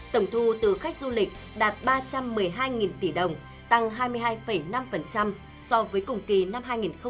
tổng thu từ khách du lịch đạt ba trăm một mươi hai tỷ đồng tăng hai mươi hai năm so với cùng kỳ năm hai nghìn một mươi tám